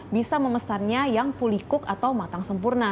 bisa memesannya yang fully cook atau matang sempurna